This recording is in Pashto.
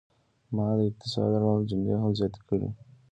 ما د اقتصاد اړوند جملې هم زیاتې کړې.